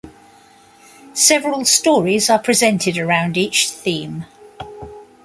Several stories are presented around each theme.